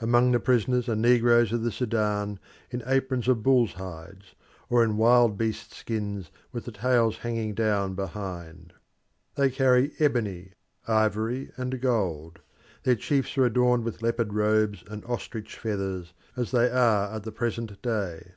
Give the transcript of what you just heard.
Among the prisoners are negroes of the Sudan in aprons of bulls' hides, or in wild beast skins with the tails hanging down behind. They carry ebony, ivory, and gold; their chiefs are adorned with leopard robes and ostrich feathers, as they are at the present day.